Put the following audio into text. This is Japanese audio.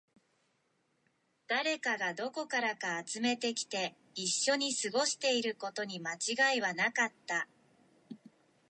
誰かがどこからか集めてきて、一緒に過ごしていることに間違いはなかった